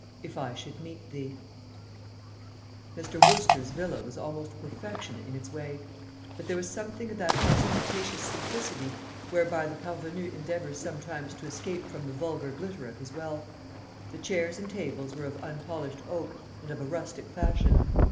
"IF I SHOULD MEET THEE " Mr. Wooster's villa was almost perfection in its way; but there was something of that ostentatious simplicity whereby the parvenu endeavours sometimes to escape from the vulgar glitter of his wealth. The chairs and tables were of unpolished oak, and of a rustic fashion.